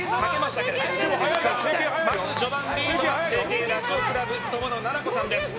まず序盤リードは成蹊ラジオクラブの友野菜々子さん。